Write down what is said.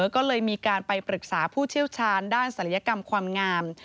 ก็เลยมีการไปปรึกษาผู้เชี่ยวชาญด้านศัลยกรรมความงาม